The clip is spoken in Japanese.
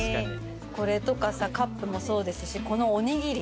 これとかさカップもそうですしこのおにぎり。